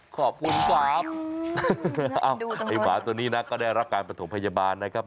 ขอบคุณสวามอ้าวไอ้หมาตัวนี้น่ะก็ได้รับการปฐมพยาบาลนะครับ